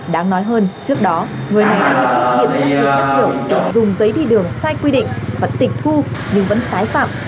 đáng nói hơn trước đó người này đã được chốt kiểm soát dưới các đường dùng giấy đi đường sai quy định và tịch khu nhưng vẫn phái phạm